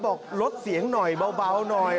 บอกลดเสียงหน่อยเบาหน่อย